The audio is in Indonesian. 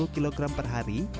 satu ratus lima puluh kg per hari